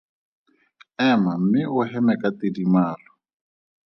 Ema mme o heme ka tidimalo.